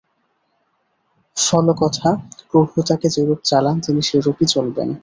ফল কথা, প্রভু তাঁকে যেরূপ চালান, তিনি সেরূপই চলবেন।